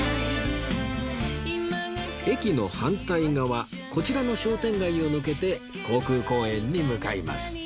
駅の反対側こちらの商店街を抜けて航空公園に向かいます